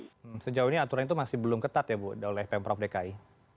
tapi sejauh ini aturan itu masih belum ketat ya bu oleh pemprov dki